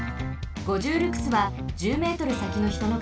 ５０ルクスは１０メートルさきのひとのかお